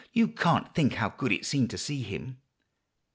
You can't think how good it seemed to see him!"